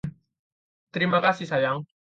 Terima kasih, sayang.